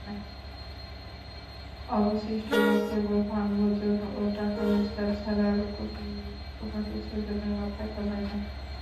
অবশিষ্ট লোকে কেবল পানভোজন ও টাকা-রোজগার ছাড়া আর কিছুর জন্য মাথা ঘামায় না।